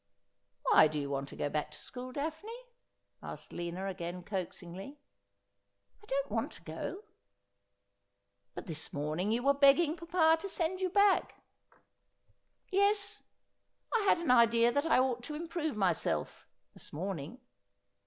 ' Why do you want to go back to school. Daphne ?' asked Lina again, coaxingly. ' I don't want to go.' ' But this morning you were begging papa to send you back.' ' Yes ; I had an idea that I ought to improve myself — this morning.